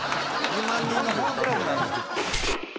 ２万人のファンクラブなんですよ